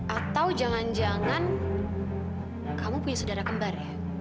atau jangan jangan kamu sudah kembar